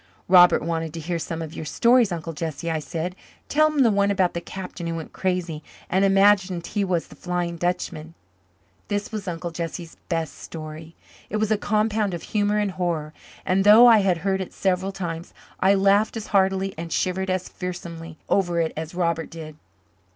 "Robert wants to hear some of your stories, Uncle Jesse," I said. "Tell him the one about the captain who went crazy and imagined he was the Flying Dutchman." This was Uncle Jesse's best story. It was a compound of humour and horror, and though I had heard it several times, I laughed as heartily and shivered as fearsomely over it as Robert did.